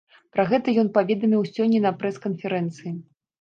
Пра гэта ён паведаміў сёння на прэс-канферэнцыі.